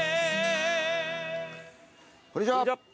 こんにちは。